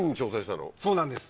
そうなんです